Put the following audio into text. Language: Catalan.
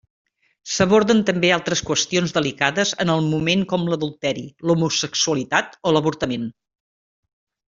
S'aborden també altres qüestions delicades en el moment com l'adulteri, l'homosexualitat o l'avortament.